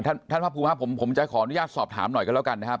ท่านท่านพระภูมิครับผมผมจะขออนุญาตสอบถามหน่อยกันแล้วกันนะครับ